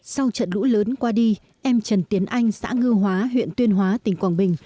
sau trận lũ lớn qua đi em trần tiến anh xã ngư hóa huyện tuyên hóa tỉnh quảng bình